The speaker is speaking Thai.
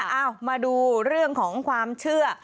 เอ้ามาดูเรื่องของความเชื่อ